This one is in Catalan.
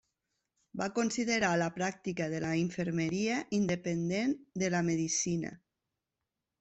Va considerar la pràctica de la infermeria independent de la medicina.